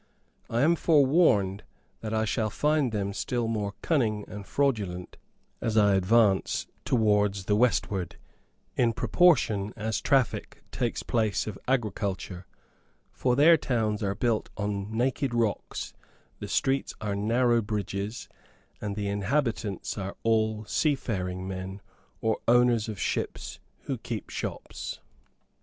I am forewarned that I shall find them still more cunning and fraudulent as I advance towards the westward, in proportion as traffic takes place of agriculture, for their towns are built on naked rocks, the streets are narrow bridges, and the inhabitants are all seafaring men, or owners of ships, who keep shops.